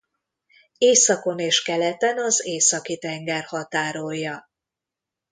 Északon és keleten az Északi-tenger határolja.